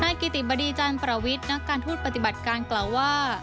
กิติบดีจันทร์ประวิทย์นักการทูตปฏิบัติการกล่าวว่า